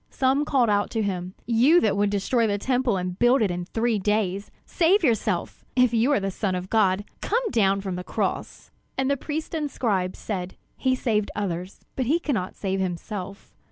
Some called out to him: "You that would destroy the Temple and build it in three days, save yourself. If you are the Son of God, come down from the cross!" And the priests and scribes said: "He saved others, but he cannot save himself.